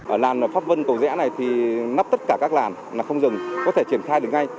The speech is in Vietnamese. ở làng pháp vân cầu rẽ này thì nắp tất cả các làn là không dừng có thể triển khai được ngay